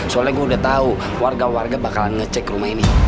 soalnya gue udah tau warga warga bakalan ngecek rumah ini